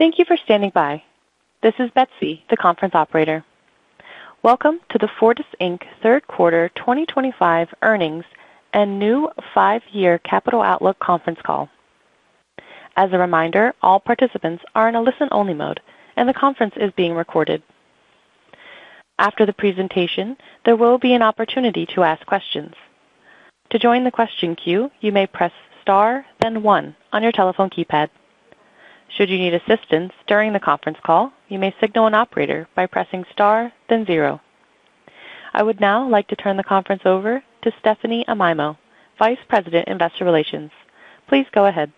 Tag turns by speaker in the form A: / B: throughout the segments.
A: Thank you for standing by. This is Betsy, the conference operator. Welcome to the Fortis Inc. third quarter 2025 earnings and new five-year capital outlook conference call. As a reminder, all participants are in a listen-only mode, and the conference is being recorded. After the presentation, there will be an opportunity to ask questions. To join the question queue, you may press star, then one, on your telephone keypad. Should you need assistance during the conference call, you may signal an operator by pressing star, then zero. I would now like to turn the conference over to Stephanie Amaimo, Vice President, Investor Relations. Please go ahead.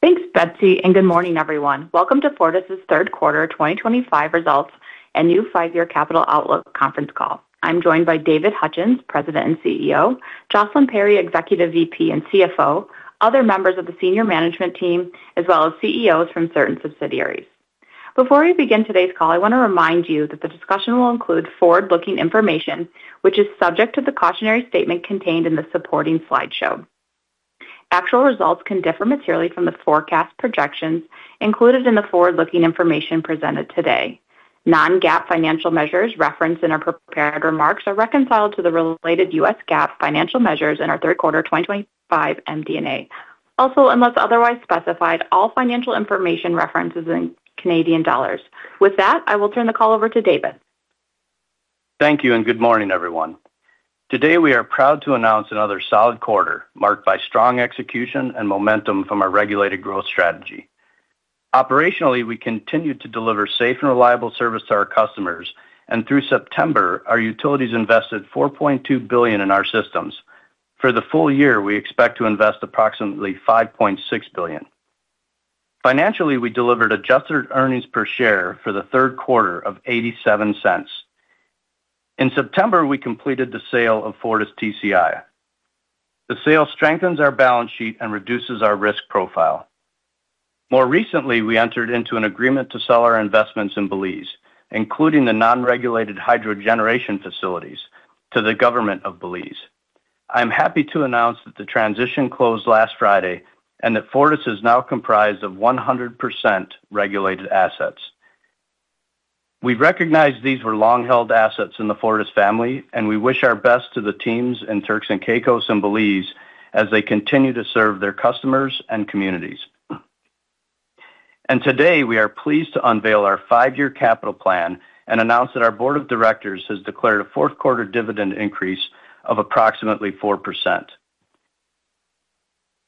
B: Thanks, Betsy, and good morning, everyone. Welcome to Fortis' third quarter 2025 results and new five-year capital outlook conference call. I'm joined by David Hutchens, President and CEO; Jocelyn Perry, Executive VP and CFO; other members of the senior management team; as well as CEOs from certain subsidiaries. Before we begin today's call, I want to remind you that the discussion will include forward-looking information, which is subject to the cautionary statement contained in the supporting slideshow. Actual results can differ materially from the forecast projections included in the forward-looking information presented today. Non-GAAP financial measures referenced in our prepared remarks are reconciled to the related U.S. GAAP financial measures in our third quarter 2025 MD&A. Also, unless otherwise specified, all financial information referenced is in Canadian dollars. With that, I will turn the call over to David.
C: Thank you, and good morning, everyone. Today, we are proud to announce another solid quarter marked by strong execution and momentum from our regulated growth strategy. Operationally, we continue to deliver safe and reliable service to our customers, and through September, our utilities invested 4.2 billion in our systems. For the full year, we expect to invest approximately 5.6 billion. Financially, we delivered adjusted earnings per share for the third quarter of 0.87. In September, we completed the sale of Fortis TCI. The sale strengthens our balance sheet and reduces our risk profile. More recently, we entered into an agreement to sell our investments in Belize, including the non-regulated hydro generation facilities, to the government of Belize. I am happy to announce that the transition closed last Friday and that Fortis is now comprised of 100% regulated assets. We recognize these were long-held assets in the Fortis family, and we wish our best to the teams in Turks and Caicos and Belize as they continue to serve their customers and communities. Today, we are pleased to unveil our five-year capital plan and announce that our board of directors has declared a fourth quarter dividend increase of approximately 4%.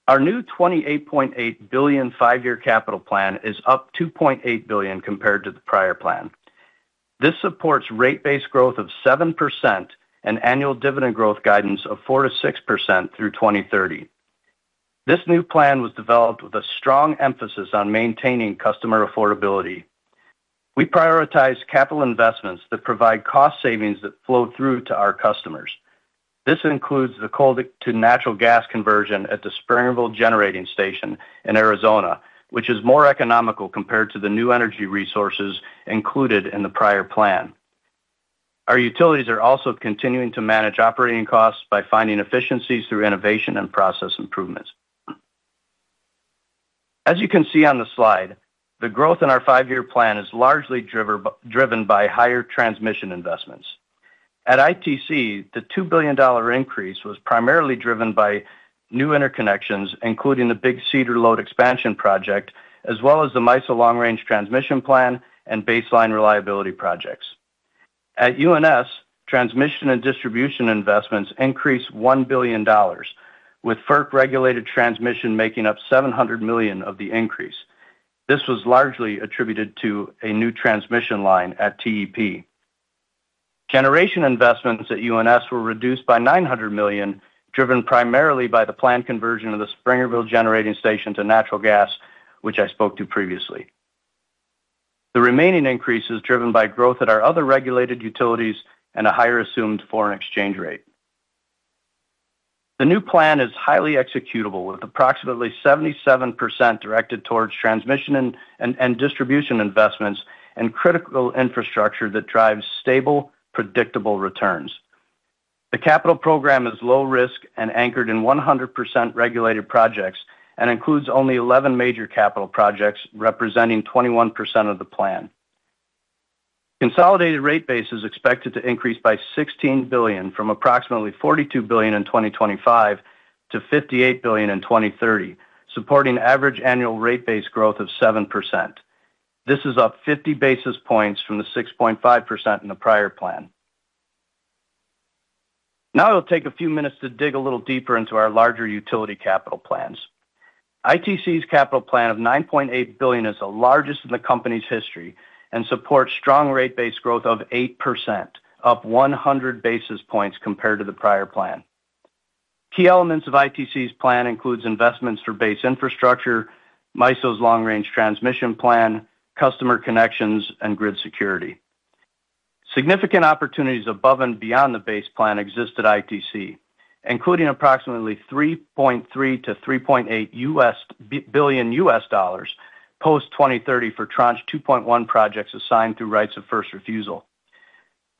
C: Our new 28.8 billion five-year capital plan is up 2.8 billion compared to the prior plan. This supports rate-based growth of 7% and annual dividend growth guidance of 4%-6% through 2030. This new plan was developed with a strong emphasis on maintaining customer affordability. We prioritize capital investments that provide cost savings that flow through to our customers. This includes the coal-to-natural gas conversion at the Springville Generating Station in Arizona, which is more economical compared to the new energy resources included in the prior plan. Our utilities are also continuing to manage operating costs by finding efficiencies through innovation and process improvements. As you can see on the slide, the growth in our five-year plan is largely driven by higher transmission investments. At ITC, the 2 billion dollar increase was primarily driven by new interconnections, including the Big Cedar Load Expansion Project, as well as the MISO Long-Range Transmission Plan and baseline reliability projects. At UNS, transmission and distribution investments increased 1 billion dollars, with FERC-regulated transmission making up 700 million of the increase. This was largely attributed to a new transmission line at TEP. Generation investments at UNS were reduced by 900 million, driven primarily by the planned conversion of the Springville Generating Station to natural gas, which I spoke to previously. The remaining increase is driven by growth at our other regulated utilities and a higher assumed foreign exchange rate. The new plan is highly executable, with approximately 77% directed towards transmission and distribution investments and critical infrastructure that drives stable, predictable returns. The capital program is low-risk and anchored in 100% regulated projects and includes only 11 major capital projects, representing 21% of the plan. Consolidated rate base is expected to increase by 16 billion from approximately 42 billion in 2025 to 58 billion in 2030, supporting average annual rate-based growth of 7%. This is up 50 basis points from the 6.5% in the prior plan. Now, it'll take a few minutes to dig a little deeper into our larger utility capital plans. ITC's capital plan of 9.8 billion is the largest in the company's history and supports strong rate-based growth of 8%, up 100 basis points compared to the prior plan. Key elements of ITC's plan include investments for base infrastructure, MISO's long-range transmission plan, customer connections, and grid security. Significant opportunities above and beyond the base plan exist at ITC, including approximately $3.3 billion-$3.8 billion post-2030 for tranche 2.1 projects assigned through rights of first refusal.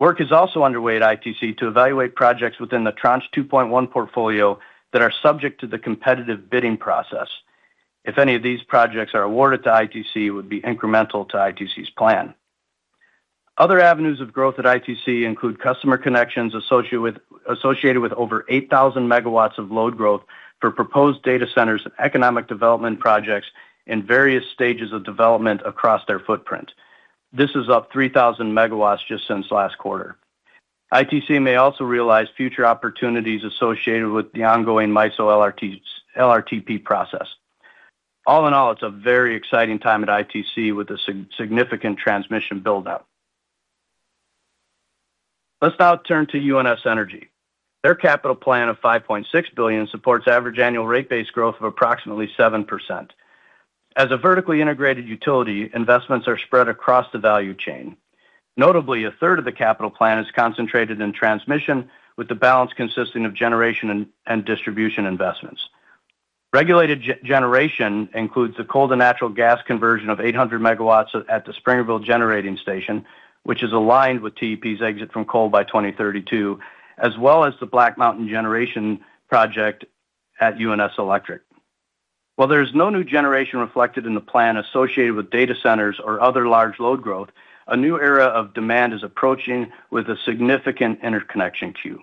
C: Work is also underway at ITC to evaluate projects within the tranche 2.1 portfolio that are subject to the competitive bidding process. If any of these projects are awarded to ITC, it would be incremental to ITC's plan. Other avenues of growth at ITC include customer connections associated with over 8,000 MW of load growth for proposed data centers and economic development projects in various stages of development across their footprint. This is up 3,000 MW just since last quarter. ITC may also realize future opportunities associated with the ongoing MISO LRTP process. All in all, it's a very exciting time at ITC with a significant transmission buildup. Let's now turn to UNS Energy. Their capital plan of 5.6 billion supports average annual rate-based growth of approximately 7%. As a vertically integrated utility, investments are spread across the value chain. Notably, a third of the capital plan is concentrated in transmission, with the balance consisting of generation and distribution investments. Regulated generation includes the coal-to-natural gas conversion of 800 MW at the Springville Generating Station, which is aligned with TEP's exit from coal by 2032, as well as the Black Mountain Generation Project at UNS Electric. While there is no new generation reflected in the plan associated with data centers or other large load growth, a new era of demand is approaching with a significant interconnection queue.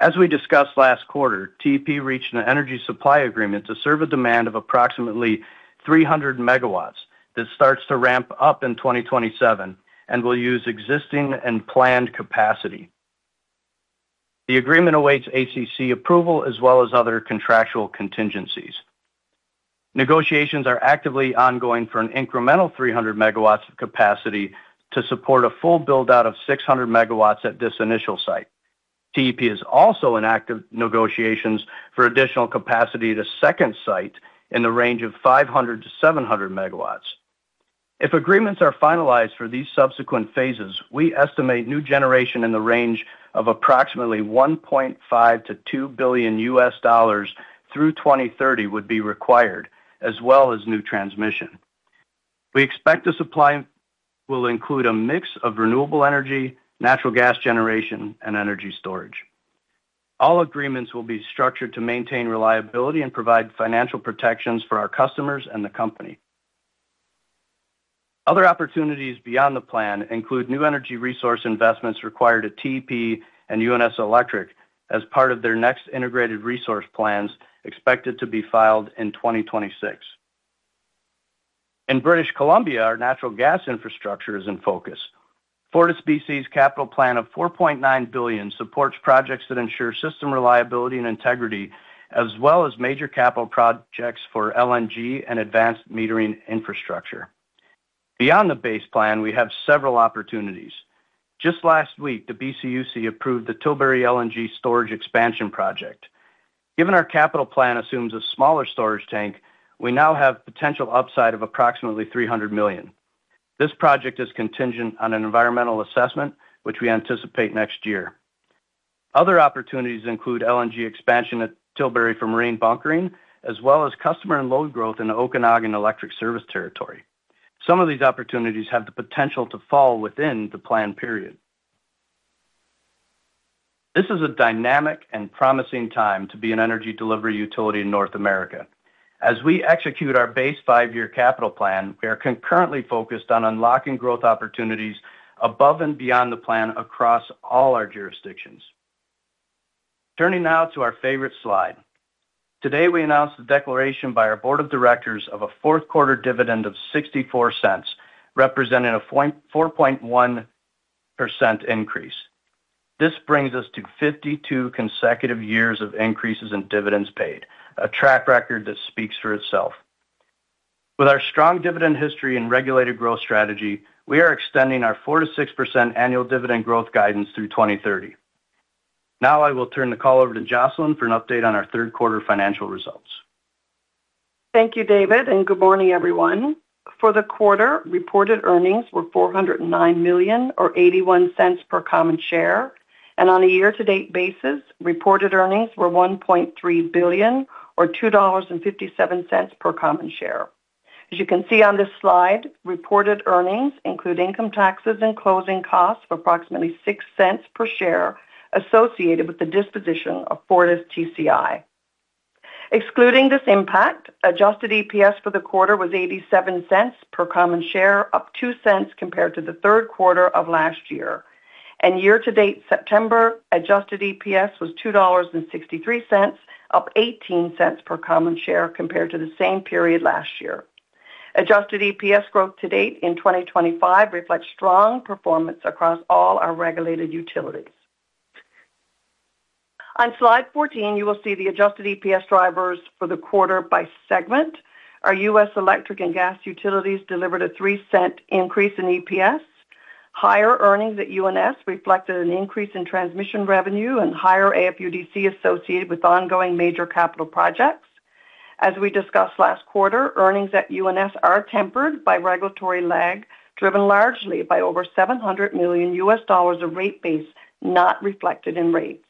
C: As we discussed last quarter, TEP reached an energy supply agreement to serve a demand of approximately 300 MW that starts to ramp up in 2027 and will use existing and planned capacity. The agreement awaits ACC approval as well as other contractual contingencies. Negotiations are actively ongoing for an incremental 300 MW of capacity to support a full buildout of 600 MW at this initial site. TEP is also in active negotiations for additional capacity at a second site in the range of 500-700 MW. If agreements are finalized for these subsequent phases, we estimate new generation in the range of approximately $1.5 billion-$2 billion through 2030 would be required, as well as new transmission. We expect the supply will include a mix of renewable energy, natural gas generation, and energy storage. All agreements will be structured to maintain reliability and provide financial protections for our customers and the company. Other opportunities beyond the plan include new energy resource investments required at TEP and UNS Electric as part of their next integrated resource plans expected to be filed in 2026. In British Columbia, our natural gas infrastructure is in focus. FortisBC's capital plan of 4.9 billion supports projects that ensure system reliability and integrity, as well as major capital projects for LNG and advanced metering infrastructure. Beyond the base plan, we have several opportunities. Just last week, the BCUC approved the Tilbury LNG storage expansion project. Given our capital plan assumes a smaller storage tank, we now have potential upside of approximately 300 million. This project is contingent on an environmental assessment, which we anticipate next year. Other opportunities include LNG expansion at Tilbury for marine bunkering, as well as customer and load growth in the Okanagan Electric Service Territory. Some of these opportunities have the potential to fall within the planned period. This is a dynamic and promising time to be an energy delivery utility in North America. As we execute our base five-year capital plan, we are concurrently focused on unlocking growth opportunities above and beyond the plan across all our jurisdictions. Turning now to our favorite slide. Today, we announced the declaration by our board of directors of a fourth quarter dividend of 0.64, representing a 4.1% increase. This brings us to 52 consecutive years of increases in dividends paid, a track record that speaks for itself. With our strong dividend history and regulated growth strategy, we are extending our 4%-6% annual dividend growth guidance through 2030. Now, I will turn the call over to Jocelyn for an update on our third quarter financial results.
D: Thank you, David, and good morning, everyone. For the quarter, reported earnings were 409 million, or 0.81 per common share. On a year-to-date basis, reported earnings were 1.3 billion, or 2.57 dollars per common share. As you can see on this slide, reported earnings include income taxes and closing costs of approximately 0.06 per share associated with the disposition of Fortis TCI. Excluding this impact, Adjusted EPS for the quarter was 0.87 per common share, up 0.02 compared to the third quarter of last year. Year-to-date September, Adjusted EPS was 2.63 dollars, up 0.18 per common share compared to the same period last year. Adjusted EPS growth to date in 2025 reflects strong performance across all our regulated utilities. On slide 14, you will see the adjusted EPS drivers for the quarter by segment. Our U.S. Electric and Gas Utilities delivered a 0.03 increase in EPS. Higher earnings at UNS reflected an increase in transmission revenue and higher AFUDC associated with ongoing major capital projects. As we discussed last quarter, earnings at UNS are tempered by regulatory lag, driven largely by over $700 million of rate base not reflected in rates.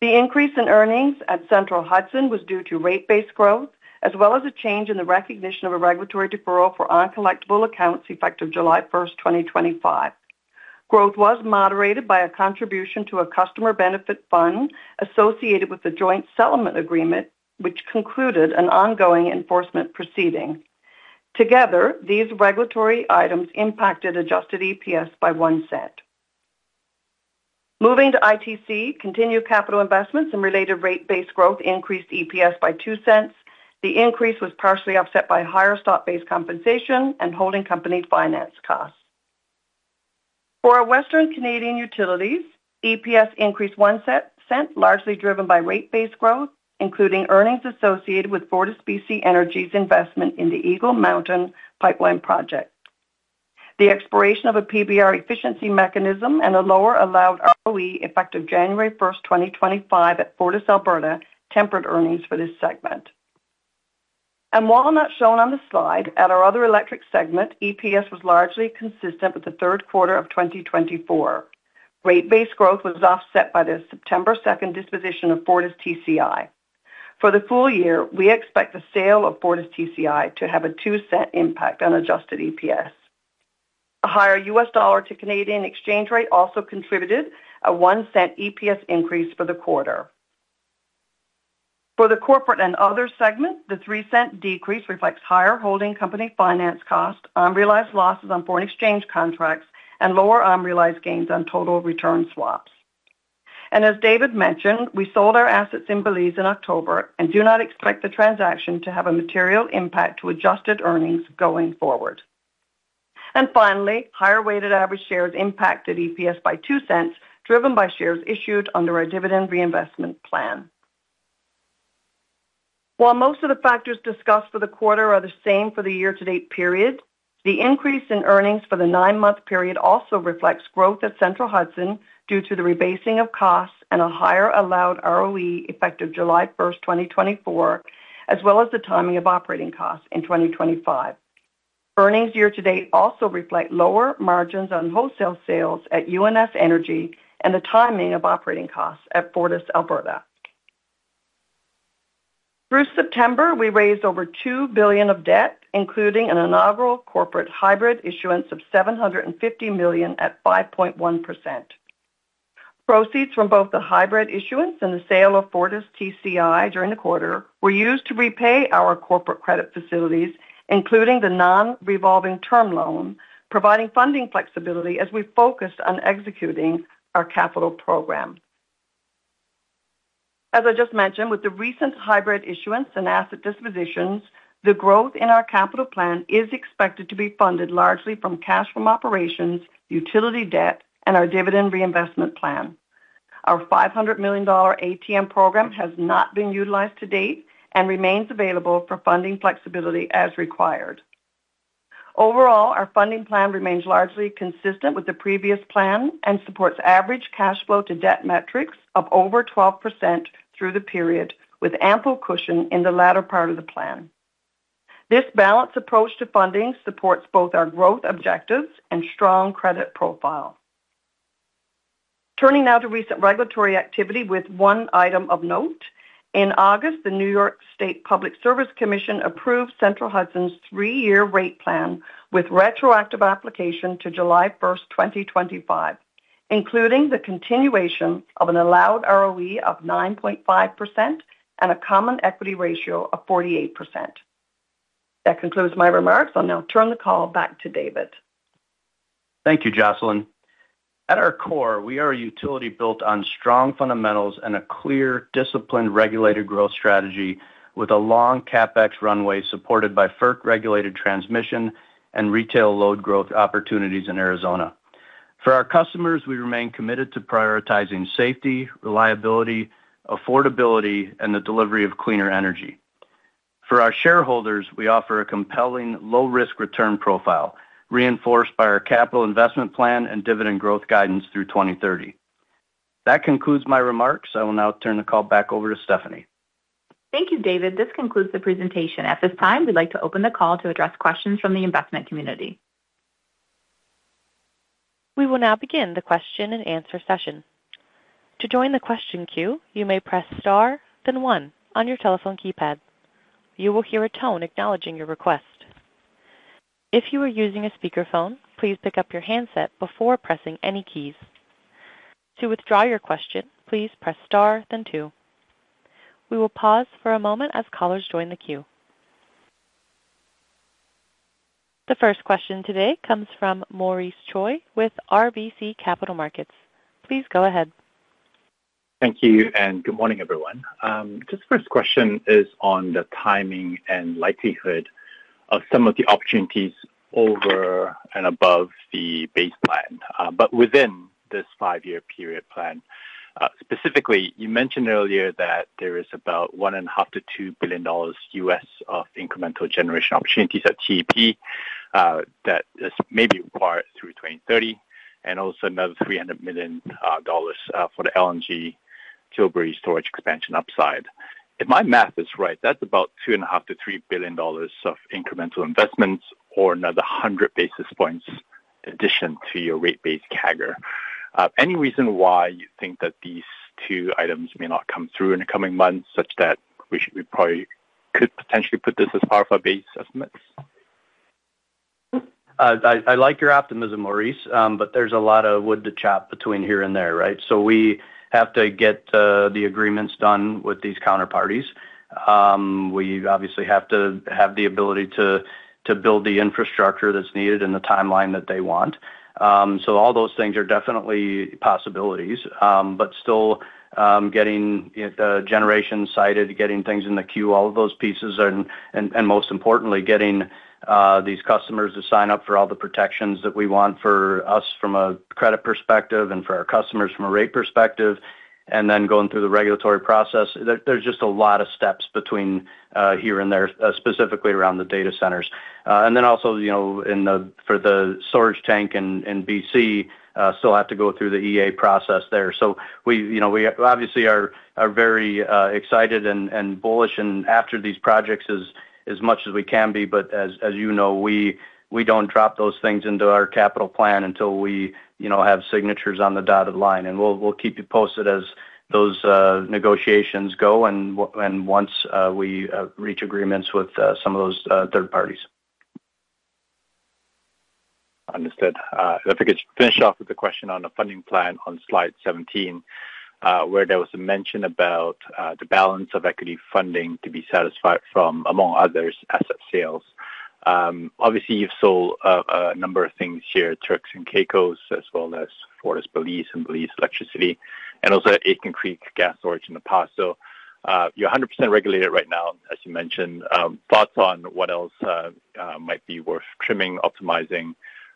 D: The increase in earnings at Central Hudson was due to rate-based growth, as well as a change in the recognition of a regulatory deferral for uncollectible accounts effective July 1st, 2025. Growth was moderated by a contribution to a customer benefit fund associated with the joint settlement agreement, which concluded an ongoing enforcement proceeding. Together, these regulatory items impacted Adjusted EPS by 0.01. Moving to ITC, continued capital investments and related rate-based growth increased EPS by 0.02. The increase was partially offset by higher stock-based compensation and holding company finance costs. For our Western Canadian utilities, EPS increased 0.01, largely driven by rate-based growth, including earnings associated with FortisBC Energy's investment in the Eagle Mountain pipeline project. The expiration of a PBR efficiency mechanism and a lower allowed ROE effective January 1st, 2025, at FortisAlberta tempered earnings for this segment. While not shown on the slide, at our other electric segment, EPS was largely consistent with the third quarter of 2024. Rate-based growth was offset by the September 2 disposition of Fortis TCI. For the full year, we expect the sale of Fortis TCI to have a 0.02 impact on Adjusted EPS. A higher U.S. dollar to Canadian exchange rate also contributed a 0.01 EPS increase for the quarter. For the corporate and other segment, the 0.03 decrease reflects higher holding company finance costs, unrealized losses on foreign exchange contracts, and lower unrealized gains on total return swaps. As David mentioned, we sold our assets in Belize in October and do not expect the transaction to have a material impact to adjusted earnings going forward. Finally, higher weighted average shares impacted EPS by 0.02, driven by shares issued under our dividend reinvestment plan. While most of the factors discussed for the quarter are the same for the year-to-date period, the increase in earnings for the nine-month period also reflects growth at Central Hudson due to the rebasing of costs and a higher allowed ROE effective July 1st, 2024, as well as the timing of operating costs in 2025. Earnings year-to-date also reflect lower margins on wholesale sales at UNS Energy and the timing of operating costs at. Through September, we raised over 2 billion of debt, including an inaugural corporate hybrid issuance of 750 million at 5.1%. Proceeds from both the hybrid issuance and the sale of Fortis TCI during the quarter were used to repay our corporate credit facilities, including the non-revolving term loan, providing funding flexibility as we focused on executing our capital program. As I just mentioned, with the recent hybrid issuance and asset dispositions, the growth in our capital plan is expected to be funded largely from cash from operations, utility debt, and our dividend reinvestment plan. Our 500 million dollar ATM program has not been utilized to date and remains available for funding flexibility as required. Overall, our funding plan remains largely consistent with the previous plan and supports average cash flow to debt metrics of over 12% through the period, with ample cushion in the latter part of the plan. This balanced approach to funding supports both our growth objectives and strong credit profile. Turning now to recent regulatory activity with one item of note. In August, the New York State Public Service Commission approved Central Hudson's three-year rate plan with retroactive application to July 1st, 2025, including the continuation of an allowed ROE of 9.5% and a common equity ratio of 48%. That concludes my remarks. I'll now turn the call back to David.
C: Thank you, Jocelyn. At our core, we are a utility built on strong fundamentals and a clear, disciplined regulated growth strategy with a long CapEx runway supported by FERC-regulated transmission and retail load growth opportunities in Arizona. For our customers, we remain committed to prioritizing safety, reliability, affordability, and the delivery of cleaner energy. For our shareholders, we offer a compelling low-risk return profile reinforced by our capital investment plan and dividend growth guidance through 2030. That concludes my remarks. I will now turn the call back over to Stephanie.
B: Thank you, David. This concludes the presentation. At this time, we'd like to open the call to address questions from the investment community.
A: We will now begin the question-and-answer session. To join the question queue, you may press star, then one, on your telephone keypad. You will hear a tone acknowledging your request. If you are using a speakerphone, please pick up your handset before pressing any keys. To withdraw your question, please press star, then two. We will pause for a moment as callers join the queue. The first question today comes from Maurice Choy with RBC Capital Markets. Please go ahead.
E: Thank you and good morning, everyone. This first question is on the timing and likelihood of some of the opportunities over and above the base plan, but within this five-year period plan. Specifically, you mentioned earlier that there is about $1.5 billion-$2 billion of incremental generation opportunities at TEP. That may be required through 2030 and also another $300 million for the LNG Tilbury storage expansion upside. If my math is right, that's about $2.5 billion-$3 billion of incremental investments or another 100 basis points in addition to your rate-based CAGR. Any reason why you think that these two items may not come through in the coming months, such that we probably could potentially put this as part of our base estimates?
C: I like your optimism, Maurice, but there is a lot of wood to chop between here and there, right? We have to get the agreements done with these counterparties. We obviously have to have the ability to build the infrastructure that is needed and the timeline that they want. All those things are definitely possibilities, but still getting the generation sited, getting things in the queue, all of those pieces, and most importantly, getting these customers to sign up for all the protections that we want for us from a credit perspective and for our customers from a rate perspective, and then going through the regulatory process. There is just a lot of steps between here and there, specifically around the data centers. Also, for the storage tank in British Columbia, still have to go through the EA process there. We obviously are very excited and bullish after these projects as much as we can be, but as you know, we do not drop those things into our capital plan until we have signatures on the dotted line. We will keep you posted as those negotiations go and once we reach agreements with some of those third parties.
E: Understood. I think it's finished off with the question on the funding plan on slide 17. Where there was a mention about the balance of equity funding to be satisfied from, among others, asset sales. Obviously, you've sold a number of things here, Turks and Caicos, as well as Fortis Belize and Belize Electricity, and also Aitken Creek Gas Storage in the past. So you're 100% regulated right now, as you mentioned. Thoughts on what else might be worth trimming, optimizing,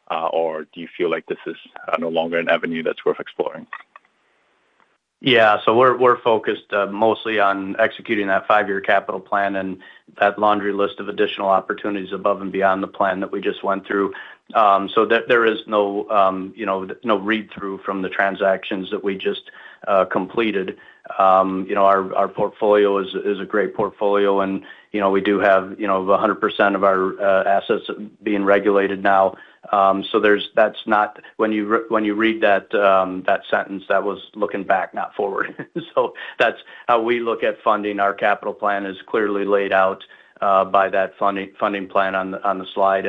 E: or do you feel like this is no longer an avenue that's worth exploring?
C: Yeah, so we're focused mostly on executing that five-year capital plan and that laundry list of additional opportunities above and beyond the plan that we just went through. There is no read-through from the transactions that we just completed. Our portfolio is a great portfolio, and we do have 100% of our assets being regulated now. When you read that sentence, that was looking back, not forward. That's how we look at funding. Our capital plan is clearly laid out by that funding plan on the slide.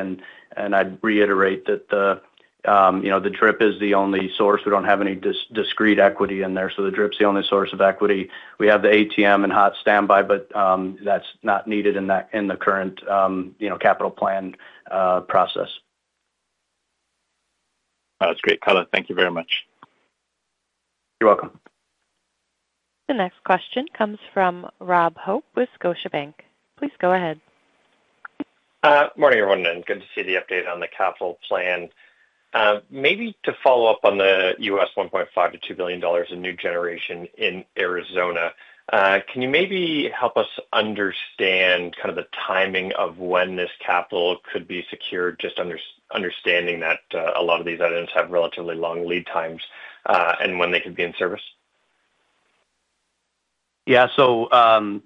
C: I'd reiterate that the DRIP is the only source. We don't have any discrete equity in there. The DRIP's the only source of equity. We have the ATM and HOT standby, but that's not needed in the current capital plan process.
E: That's great color, thank you very much.
C: You're welcome.
A: The next question comes from Rob Hope with Scotiabank. Please go ahead.
F: Morning, everyone, and good to see the update on the capital plan. Maybe to follow up on the $1.5 billion-$2 billion in new generation in Arizona, can you maybe help us understand kind of the timing of when this capital could be secured, just understanding that a lot of these items have relatively long lead times and when they could be in service?
C: Yeah, so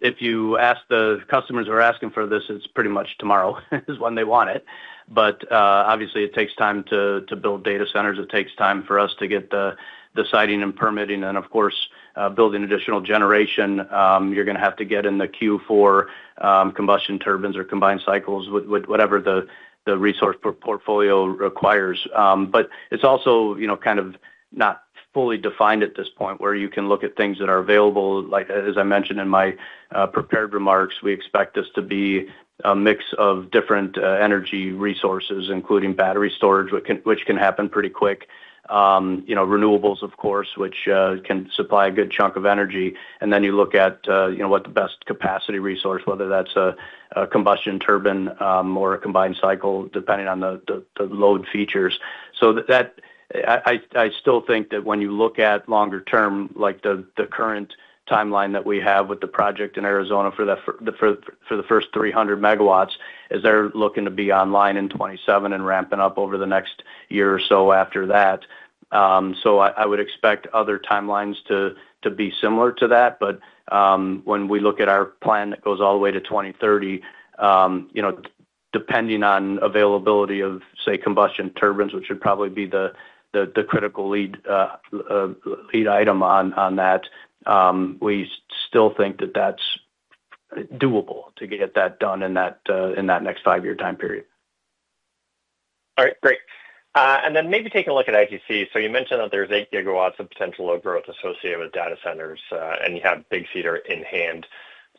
C: if you ask the customers who are asking for this, it's pretty much tomorrow is when they want it. But obviously, it takes time to build data centers. It takes time for us to get the siting and permitting, and of course, building additional generation. You're going to have to get in the queue for combustion turbines or combined cycles, whatever the resource portfolio requires. But it's also kind of not fully defined at this point where you can look at things that are available. Like as I mentioned in my prepared remarks, we expect this to be a mix of different energy resources, including battery storage, which can happen pretty quick. Renewables, of course, which can supply a good chunk of energy. And then you look at what the best capacity resource, whether that's a combustion turbine or a combined cycle, depending on the load features. I still think that when you look at longer term, like the current timeline that we have with the project in Arizona for the first 300 MW, is there looking to be online in 2027 and ramping up over the next year or so after that? I would expect other timelines to be similar to that. But when we look at our plan that goes all the way to 2030, depending on availability of, say, combustion turbines, which would probably be the critical lead item on that, we still think that that's doable to get that done in that next five-year time period.
F: All right, great. Then maybe take a look at ITC. So you mentioned that there's eight gigawatts of potential load growth associated with data centers, and you have Big Cedar in hand.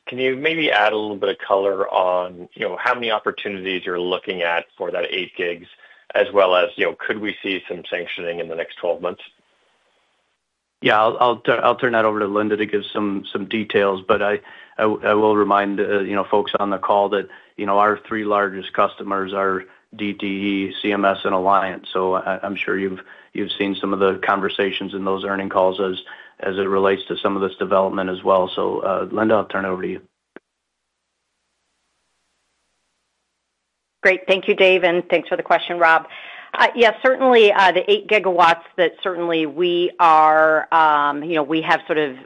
F: Can you maybe add a little bit of color on how many opportunities you're looking at for that eight gigs, as well as could we see some sanctioning in the next 12 months?
C: Yeah, I'll turn that over to Linda to give some details, but I will remind folks on the call that our three largest customers are DTE, CMS, and Alliant. I'm sure you've seen some of the conversations in those earnings calls as it relates to some of this development as well. Linda, I'll turn it over to you.
G: Great. Thank you, Dave, and thanks for the question, Rob. Yes, certainly the eight gigawatts that certainly we are. We have sort of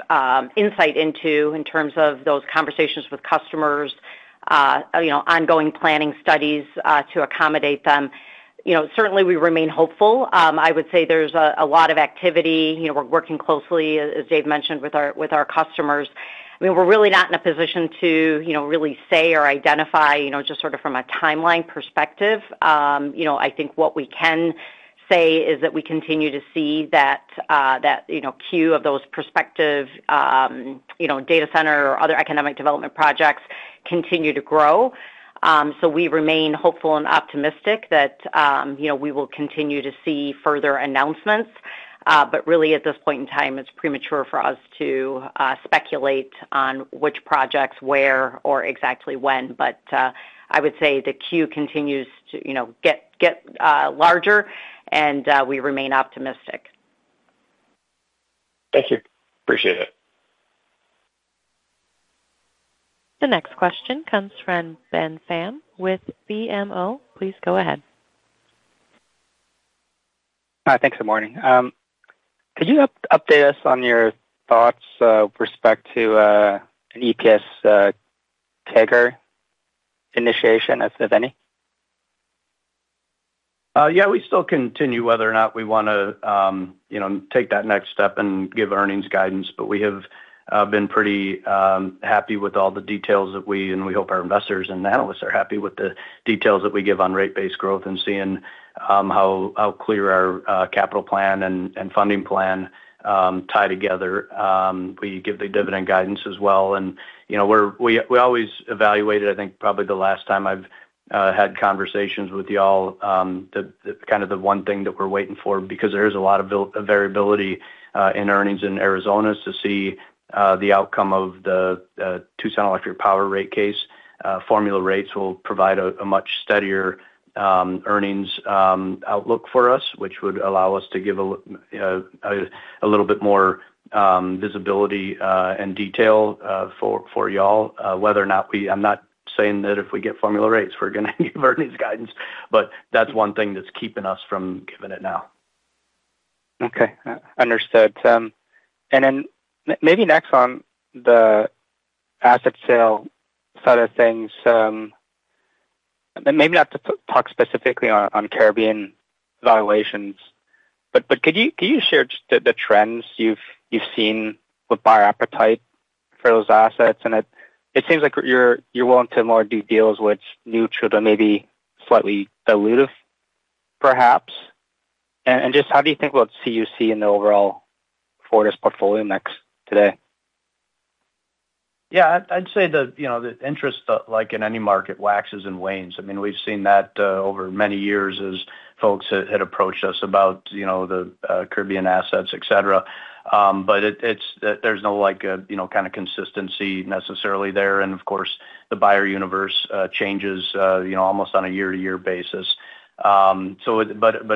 G: insight into in terms of those conversations with customers. Ongoing planning studies to accommodate them. Certainly, we remain hopeful. I would say there's a lot of activity. We're working closely, as Dave mentioned, with our customers. I mean, we're really not in a position to really say or identify just sort of from a timeline perspective. I think what we can say is that we continue to see that queue of those prospective data center or other economic development projects continue to grow. So we remain hopeful and optimistic that we will continue to see further announcements. Really, at this point in time, it's premature for us to speculate on which projects, where, or exactly when. I would say the queue continues to get larger, and we remain optimistic.
F: Thank you. Appreciate it.
A: The next question comes from Ben Pham with BMO. Please go ahead.
H: Hi, thanks for this morning. Could you update us on your thoughts with respect to an EPS CAGR initiation, if any?
C: Yeah, we still continue whether or not we want to take that next step and give earnings guidance, but we have been pretty happy with all the details that we, and we hope our investors and analysts are happy with the details that we give on rate-based growth and seeing how clear our capital plan and funding plan tie together. We give the dividend guidance as well. We always evaluated, I think probably the last time I've had conversations with y'all. Kind of the one thing that we're waiting for because there is a lot of variability in earnings in Arizona is to see the outcome of the Tucson Electric Power rate case. Formula rates will provide a much steadier earnings outlook for us, which would allow us to give a little bit more visibility and detail for y'all. Whether or not we—I'm not saying that if we get formula rates, we're going to give earnings guidance, but that's one thing that's keeping us from giving it now.
H: Okay, understood. Then maybe next on the asset sale side of things. Maybe not to talk specifically on Caribbean valuations, but could you share the trends you've seen with buyer appetite for those assets? It seems like you're willing to more do deals which neutral to maybe slightly dilutive, perhaps. Just how do you think about CUC and the overall Fortis portfolio next today?
C: Yeah, I'd say the interest, like in any market, waxes and wanes. I mean, we've seen that over many years as folks had approached us about the Caribbean assets, et cetera. There's no kind of consistency necessarily there. And of course, the buyer universe changes almost on a year-to-year basis.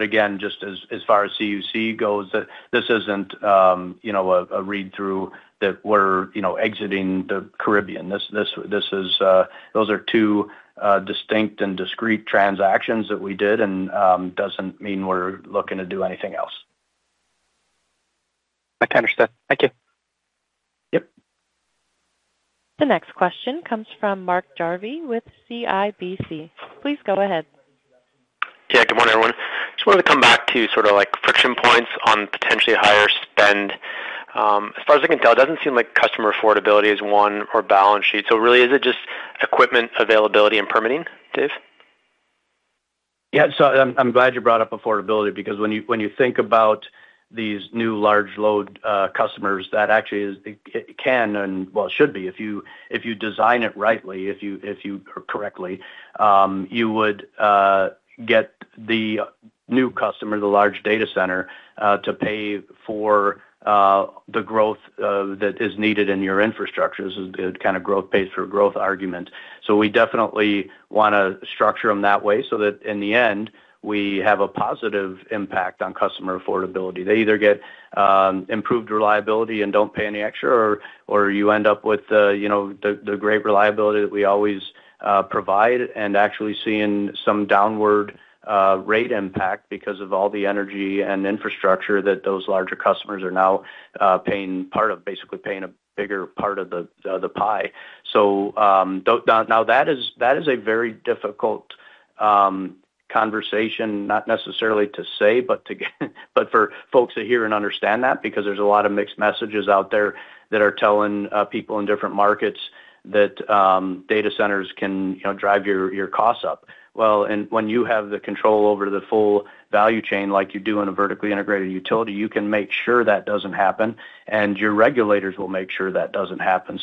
C: Again, just as far as CUC goes, this isn't a read-through that we're exiting the Caribbean. Those are two distinct and discrete transactions that we did, and it doesn't mean we're looking to do anything else.
H: Understood. Thank you.
C: Yep.
A: The next question comes from Mark Jarvi with CIBC. Please go ahead.
I: Yeah, good morning, everyone. I just wanted to come back to sort of friction points on potentially higher spend. As far as I can tell, it doesn't seem like customer affordability is one or balance sheet. So really, is it just equipment availability and permitting, Dave?
C: Yeah, so I'm glad you brought up affordability because when you think about these new large load customers, that actually can, and well, it should be, if you design it rightly, if you correctly, you would get the new customer, the large data center, to pay for the growth that is needed in your infrastructure. This is the kind of growth pays for growth argument. We definitely want to structure them that way so that in the end, we have a positive impact on customer affordability. They either get improved reliability and don't pay any extra, or you end up with the great reliability that we always provide and actually seeing some downward rate impact because of all the energy and infrastructure that those larger customers are now paying part of, basically paying a bigger part of the pie. Now that is a very difficult conversation, not necessarily to say, but for folks to hear and understand that because there's a lot of mixed messages out there that are telling people in different markets that data centers can drive your costs up. Well, when you have the control over the full value chain like you do in a vertically integrated utility, you can make sure that doesn't happen, and your regulators will make sure that doesn't happen.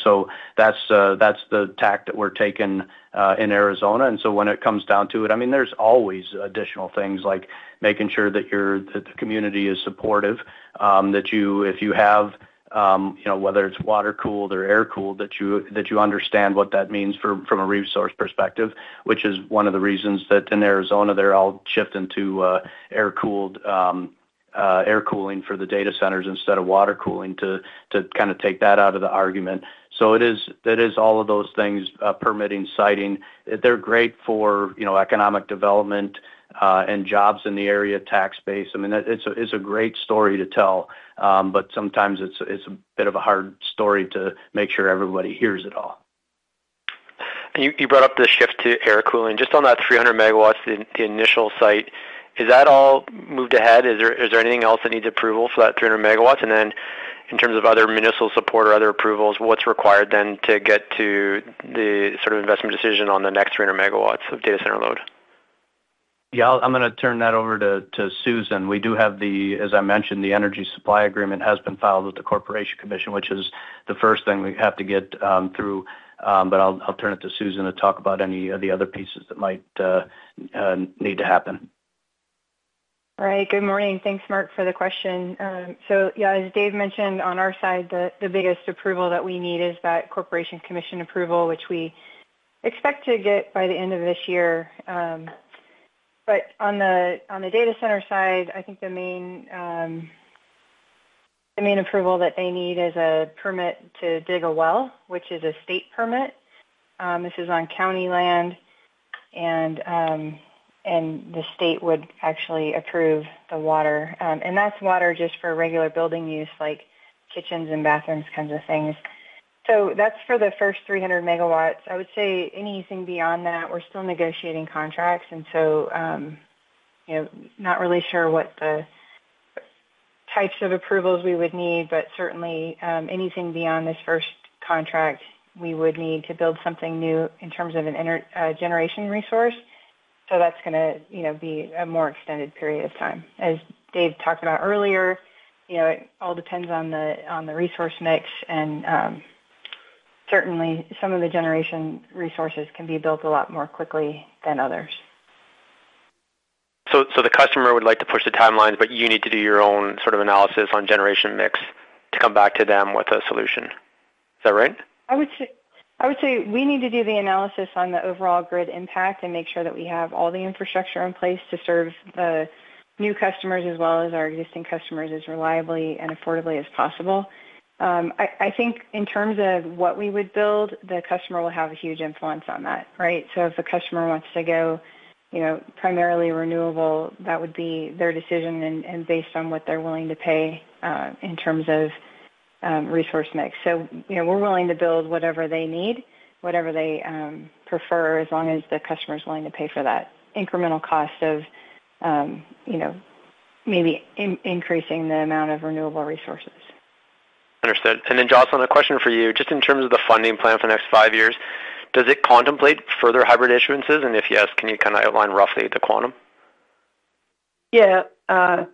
C: That's the tact that we're taking in Arizona. When it comes down to it, I mean, there's always additional things like making sure that the community is supportive, that if you have whether it's water-cooled or air-cooled, that you understand what that means from a resource perspective, which is one of the reasons that in Arizona they're all shifting to air-cooled air cooling for the data centers instead of water cooling to kind of take that out of the argument. It is all of those things, permitting, siting. They're great for economic development and jobs in the area, tax base. I mean, it's a great story to tell, but sometimes it's a bit of a hard story to make sure everybody hears it all.
I: You brought up the shift to air cooling. Just on that 300 MW, the initial site, is that all moved ahead? Is there anything else that needs approval for that 300 MW? And then in terms of other municipal support or other approvals, what's required then to get to the sort of investment decision on the next 300 MW of data center load?
C: Yeah, I'm going to turn that over to Susan. We do have the, as I mentioned, the energy supply agreement has been filed with the Arizona Corporation Commission, which is the first thing we have to get through. But I'll turn it to Susan to talk about any of the other pieces that might need to happen.
J: All right, good morning. Thanks, Mark, for the question. Yeah, as Dave mentioned, on our side, the biggest approval that we need is that Arizona Corporation Commission approval, which we expect to get by the end of this year. On the data center side, I think the main approval that they need is a permit to dig a well, which is a state permit. This is on county land. The state would actually approve the water. That's water just for regular building use, like kitchens and bathrooms, kinds of things. That's for the first 300 MW. I would say anything beyond that, we're still negotiating contracts. Not really sure what the types of approvals we would need, but certainly anything beyond this first contract, we would need to build something new in terms of an energy generation resource. That's going to be a more extended period of time. As Dave talked about earlier, it all depends on the resource mix. Certainly some of the generation resources can be built a lot more quickly than others.
I: The customer would like to push the timelines, but you need to do your own sort of analysis on generation mix to come back to them with a solution. Is that right?
J: I would say we need to do the analysis on the overall grid impact and make sure that we have all the infrastructure in place to serve the new customers as well as our existing customers as reliably and affordably as possible. I think in terms of what we would build, the customer will have a huge influence on that, right? So if the customer wants to go primarily renewable, that would be their decision and based on what they're willing to pay in terms of resource mix. So we're willing to build whatever they need, whatever they prefer, as long as the customer is willing to pay for that incremental cost of maybe increasing the amount of renewable resources.
I: Understood. Jocelyn, a question for you. Just in terms of the funding plan for the next five years, does it contemplate further hybrid issuances? If yes, can you kind of outline roughly the quantum?
D: Yeah,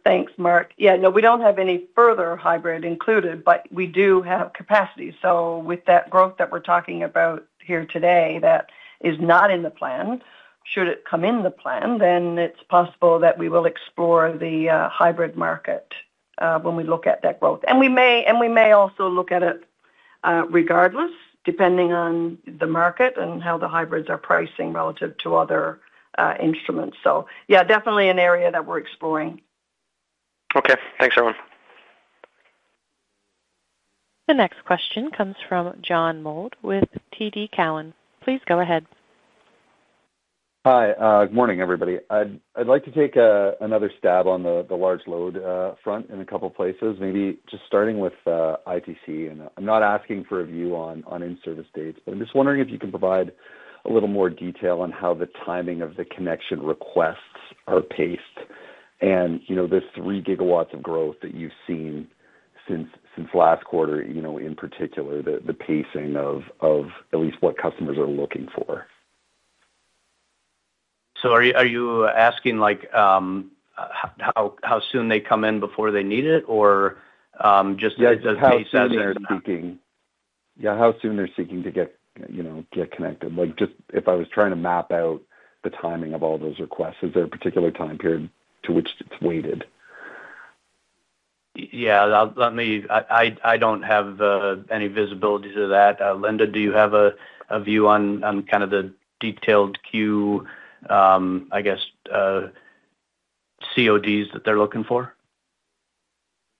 D: thanks, Mark. Yeah, no, we don't have any further hybrid included, but we do have capacity. So with that growth that we're talking about here today that is not in the plan, should it come in the plan, then it's possible that we will explore the hybrid market. When we look at that growth. We may also look at it regardless, depending on the market and how the hybrids are pricing relative to other instruments. So yeah, definitely an area that we're exploring.
I: Okay, thanks, everyone.
A: The next question comes from John Mould with TD Cowen. Please go ahead.
K: Hi, good morning, everybody. I'd like to take another stab on the large load front in a couple of places, maybe just starting with ITC. I'm not asking for a view on in-service dates, but I'm just wondering if you can provide a little more detail on how the timing of the connection requests are paced and the three gigawatts of growth that you've seen since last quarter in particular, the pacing of at least what customers are looking for.
C: Are you asking how soon they come in before they need it, or just. Yeah, how soon they're seeking.
K: Yeah, how soon they're seeking to get connected? Just if I was trying to map out the timing of all those requests, is there a particular time period to which it's weighted?
C: Yeah, I don't have any visibility to that. Linda, do you have a view on kind of the detailed queue, I guess, CODs that they're looking for?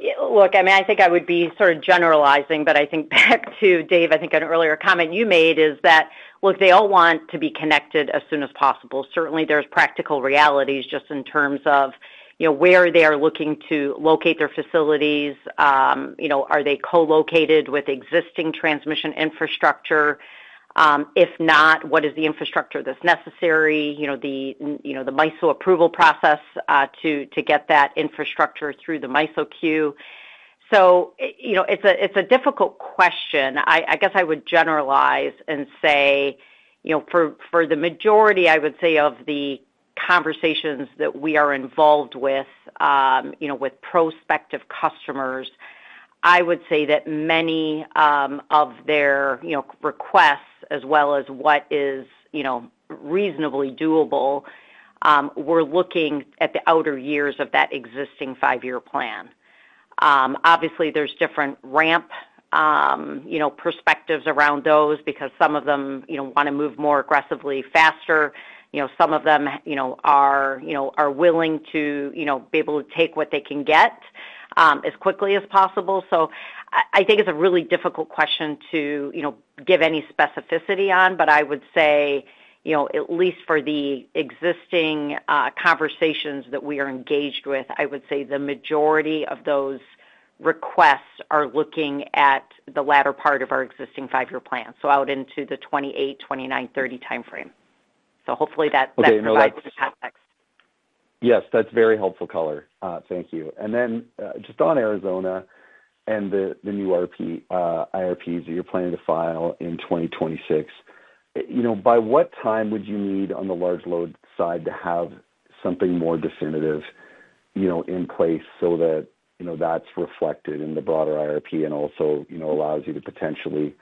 J: Look, I mean, I think I would be sort of generalizing, but I think back to Dave, I think an earlier comment you made is that, look, they all want to be connected as soon as possible. Certainly, there's practical realities just in terms of where they are looking to locate their facilities. Are they co-located with existing transmission infrastructure? If not, what is the infrastructure that's necessary? The MISO approval process to get that infrastructure through the MISO queue. It's a difficult question. I guess I would generalize and say for the majority, I would say, of the conversations that we are involved with with prospective customers, I would say that many of their requests, as well as what is reasonably doable, we're looking at the outer years of that existing five-year plan. Obviously, there's different ramp perspectives around those because some of them want to move more aggressively, faster. Some of them are willing to be able to take what they can get as quickly as possible. I think it's a really difficult question to give any specificity on, but I would say at least for the existing conversations that we are engaged with, I would say the majority of those requests are looking at the latter part of our existing five-year plan, so out into the 2028, 2029, 2030 timeframe. Hopefully that provides some context.
K: Yes, that's very helpful color. Thank you. And then just on Arizona and the new IRPs that you're planning to file in 2026. By what time would you need on the large load side to have something more definitive in place so that that's reflected in the broader IRP and also allows you to potentially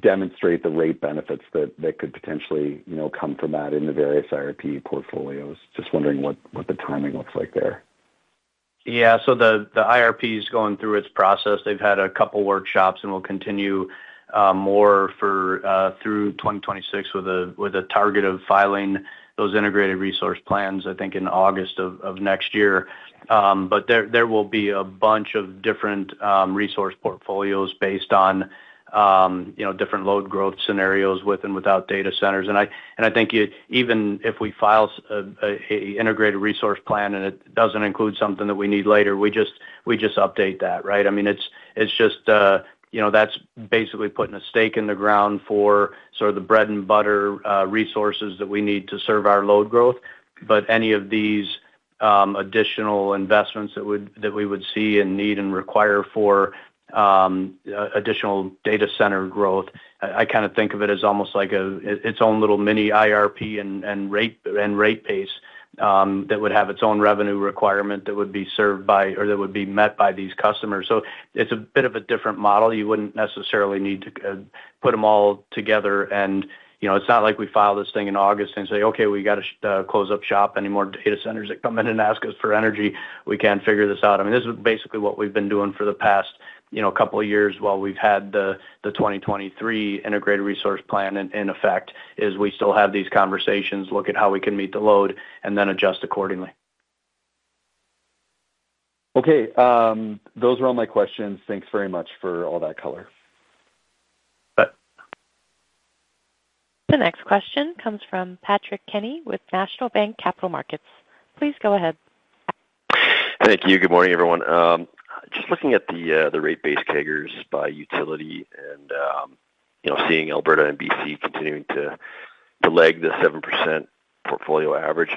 K: demonstrate the rate benefits that could potentially come from that in the various IRP portfolios? Just wondering what the timing looks like there.
C: Yeah, so the IRP is going through its process. They've had a couple of workshops and will continue more through 2026 with a target of filing those integrated resource plans, I think, in August of next year. There will be a bunch of different resource portfolios based on different load growth scenarios with and without data centers. I think even if we file an integrated resource plan and it doesn't include something that we need later, we just update that, right? I mean, it's just that's basically putting a stake in the ground for sort of the bread and butter resources that we need to serve our load growth. Any of these additional investments that we would see and need and require for additional data center growth, I kind of think of it as almost like its own little mini IRP and rate base that would have its own revenue requirement that would be served by or that would be met by these customers. So it's a bit of a different model. You wouldn't necessarily need to put them all together. It's not like we file this thing in August and say, "Okay, we got to close up shop. Any more data centers that come in and ask us for energy, we can't figure this out." I mean, this is basically what we've been doing for the past couple of years while we've had the 2023 integrated resource plan in effect, is we still have these conversations, look at how we can meet the load, and then adjust accordingly.
K: Okay, those were all my questions. Thanks very much for all that color.
A: The next question comes from Patrick Kenny with National Bank Financial. Please go ahead.
L: Thank you. Good morning, everyone. Just looking at the rate base CAGRs by utility and seeing Alberta and BC continuing to lag the 7% portfolio average.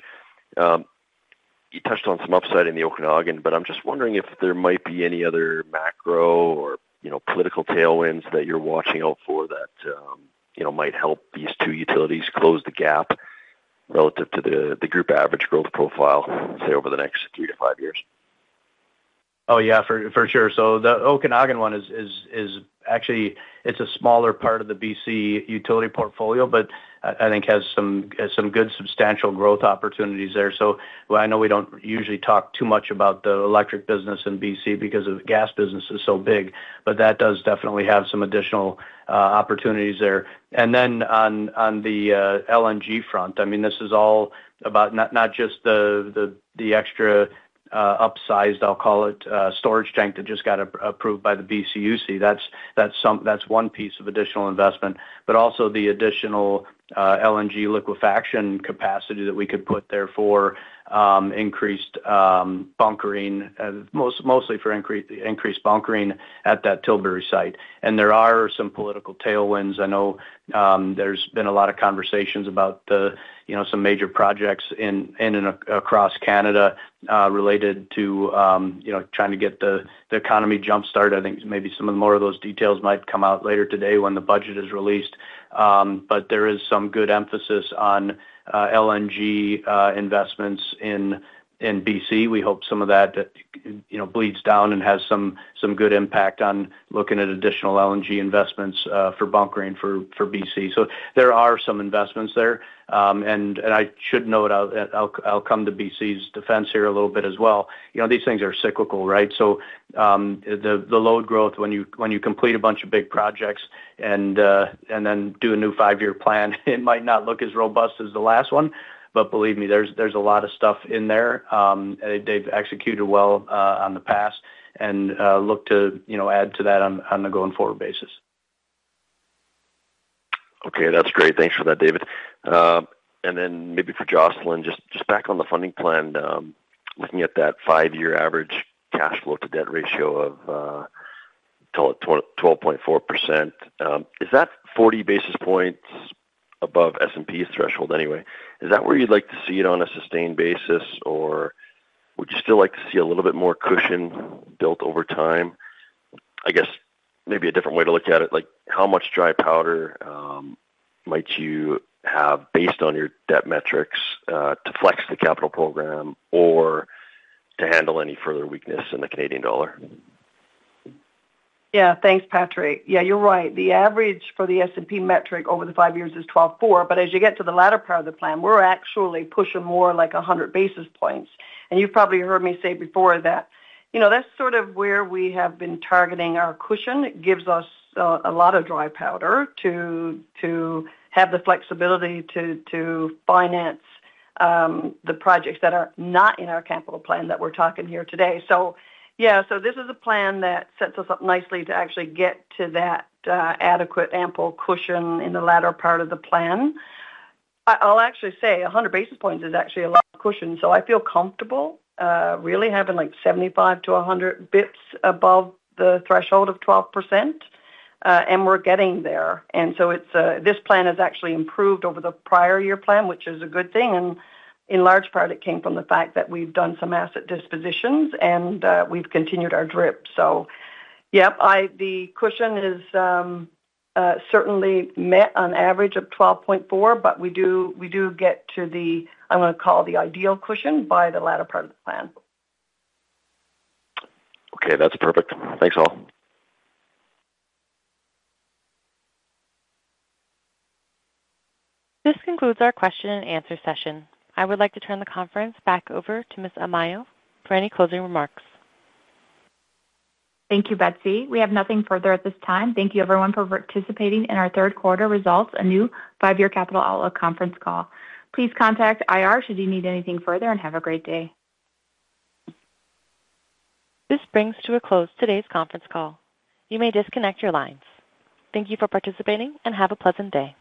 L: You touched on some upside in the Okanagan, but I'm just wondering if there might be any other macro or political tailwinds that you're watching out for that might help these two utilities close the gap relative to the group average growth profile, say, over the next three to five years.
C: Yeah, for sure. The Okanagan one is actually, it's a smaller part of the BC utility portfolio, but I think has some good substantial growth opportunities there. I know we don't usually talk too much about the electric business in BC because the gas business is so big, but that does definitely have some additional opportunities there. On the LNG front, I mean, this is all about not just the extra upsized, I'll call it, storage tank that just got approved by the BCUC. That's one piece of additional investment, but also the additional LNG liquefaction capacity that we could put there for increased bunkering, mostly for increased bunkering at that Tilbury site. There are some political tailwinds. I know there's been a lot of conversations about some major projects across Canada related to trying to get the economy jump-started. I think maybe some more of those details might come out later today when the budget is released. There is some good emphasis on LNG investments in BC. We hope some of that bleeds down and has some good impact on looking at additional LNG investments for bunkering for BC. There are some investments there. I should note, I'll come to BC's defense here a little bit as well. These things are cyclical, right? The load growth, when you complete a bunch of big projects and then do a new five-year plan, it might not look as robust as the last one. Believe me, there's a lot of stuff in there. They've executed well on the past and look to add to that on a going forward basis.
L: Okay, that's great. Thanks for that, David. And then maybe for Jocelyn, just back on the funding plan. Looking at that five-year average cash flow-to-debt ratio of 12.4%. Is that 40 basis points above S&P's threshold anyway? Is that where you'd like to see it on a sustained basis, or would you still like to see a little bit more cushion built over time? I guess maybe a different way to look at it, like how much dry powder might you have based on your debt metrics to flex the capital program or to handle any further weakness in the Canadian dollar?
D: Yeah, thanks, Patrick. Yeah, you're right. The average for the S&P metric over the five years is 12.4%. But as you get to the latter part of the plan, we're actually pushing more like 100 basis points. You've probably heard me say before that that's sort of where we have been targeting our cushion. It gives us a lot of dry powder to have the flexibility to finance the projects that are not in our capital plan that we're talking here today. So yeah, so this is a plan that sets us up nicely to actually get to that adequate, ample cushion in the latter part of the plan. I'll actually say 100 basis points is actually a lot of cushion. So I feel comfortable really having like 75-100 basis points above the threshold of 12%. We're getting there. This plan has actually improved over the prior year plan, which is a good thing. In large part, it came from the fact that we've done some asset dispositions and we've continued our DRIP. So yep, the cushion is certainly met on average of 12.4%, but we do get to the, I'm going to call it the ideal cushion by the latter part of the plan.
L: Okay, that's perfect. Thanks, all.
A: This concludes our question-and-answer session. I would like to turn the conference back over to Ms. Amaimo for any closing remarks.
B: Thank you, Betsy. We have nothing further at this time. Thank you, everyone, for participating in our third quarter results, a new five-year capital outlook conference call. Please contact IR should you need anything further and have a great day.
A: This brings to a close today's conference call. You may disconnect your lines. Thank you for participating and have a pleasant day.